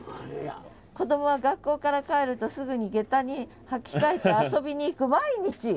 「子供は学校から帰るとすぐに下駄に履き替えて遊びに行く毎日」。